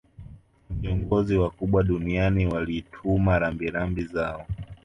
Viongozi wakubwa duniani walituma rambirambi zao